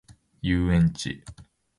遊園地